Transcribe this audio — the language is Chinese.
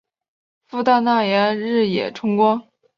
父大纳言日野重光。